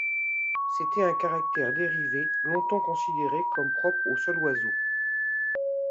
C'était un caractère dérivé longtemps considéré comme propre aux seuls oiseaux.